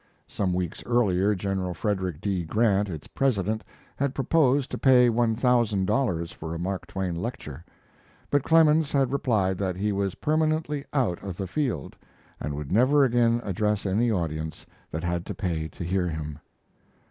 Some weeks earlier Gen. Frederick D. Grant, its president, had proposed to pay one thousand dollars for a Mark Twain lecture; but Clemens' had replied that he was permanently out of the field, and would never again address any audience that had to pay to hear him.